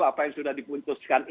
apa yang sudah diputuskan